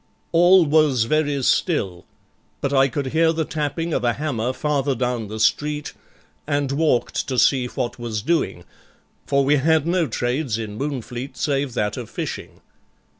All was very still, but I could hear the tapping of a hammer farther down the street, and walked to see what was doing, for we had no trades in Moonfleet save that of fishing.